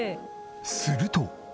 すると。